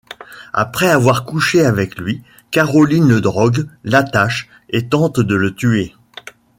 Après avoir couché avec lui, Caroline le drogue, l'attache et tente de le tuer.